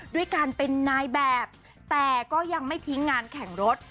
ด้วยการเป็นนายแบบแต่ก็ยังไม่ทิ้งงานแข่งรถ